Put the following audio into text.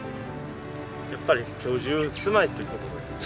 やっぱり居住住まいっていうところですか？